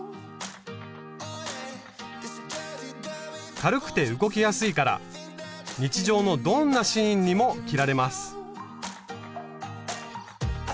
軽くて動きやすいから日常のどんなシーンにも着られます。